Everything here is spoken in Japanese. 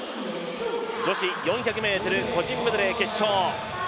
女子４００ｍ個人メドレー決勝。